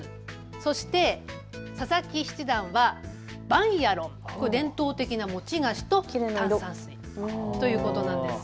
そして佐々木七段はバンヤロン、これは伝統的な餅菓子と炭酸水ということなんです。